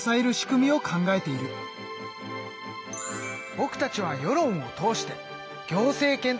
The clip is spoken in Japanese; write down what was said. ぼくたちは世論を通して行政権と関わっている。